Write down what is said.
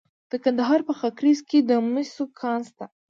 د کندهار په خاکریز کې د مسو کان شته.